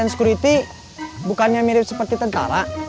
security bukannya mirip seperti tentara